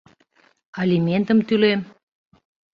Алиментым тӱлем.